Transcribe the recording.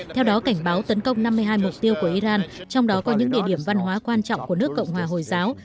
theo đó cảnh báo tấn công năm mươi hai mục tiêu của iran trong đó có những địa điểm văn hóa quan trọng của nước cộng hòa hồi giáo